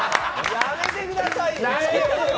やめてくださいよ。